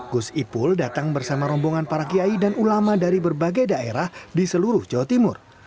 gus ipul datang bersama rombongan para kiai dan ulama dari berbagai daerah di seluruh jawa timur